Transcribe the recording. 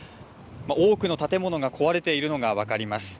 多くの建物が壊れているのが分かります。